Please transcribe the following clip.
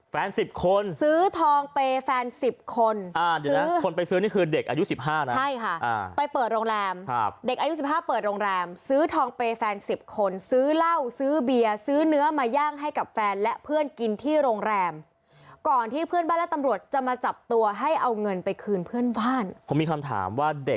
สิบคนซื้อทองเปย์แฟนสิบคนอ่าเดี๋ยวนะคนไปซื้อนี่คือเด็กอายุสิบห้านะใช่ค่ะไปเปิดโรงแรมครับเด็กอายุสิบห้าเปิดโรงแรมซื้อทองเปย์แฟนสิบคนซื้อเหล้าซื้อเบียร์ซื้อเนื้อมาย่างให้กับแฟนและเพื่อนกินที่โรงแรมก่อนที่เพื่อนบ้านและตำรวจจะมาจับตัวให้เอาเงินไปคืนเพื่อนบ้านผมมีคำถามว่าเด็ก